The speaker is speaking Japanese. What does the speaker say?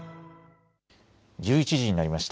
１１時になりました。